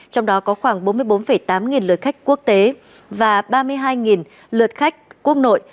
trong đó có khoảng bốn mươi bốn tám nghìn lượt khách quốc tế và ba mươi hai lượt khách quốc nội